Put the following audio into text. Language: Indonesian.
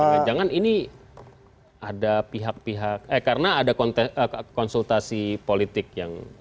jangan jangan ini ada pihak pihak eh karena ada konsultasi politik yang